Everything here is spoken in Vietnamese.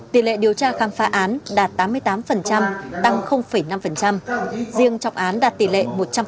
tỷ lệ điều tra khám phá án đạt tám mươi tám tăng năm riêng trọng án đạt tỷ lệ một trăm linh